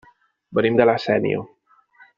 Venim de La Sénia.